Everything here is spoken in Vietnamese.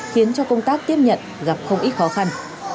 khiến cho công tác tiếp nhận gặp không ít khó khăn